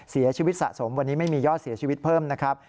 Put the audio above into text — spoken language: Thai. เสียชีวิตสะสมวันนี้ไม่มียอดเสียชีวิตเพิ่มนะครับ